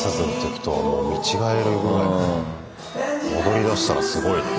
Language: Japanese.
踊りだしたらすごいな。